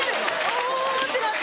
「あぁ！」ってなって。